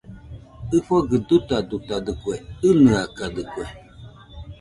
ɨfogɨ dutadutadɨkue, ɨnɨakadɨkue